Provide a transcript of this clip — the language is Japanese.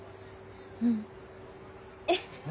うん。えっ？何？